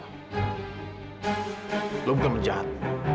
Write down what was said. kamu bukan menjahat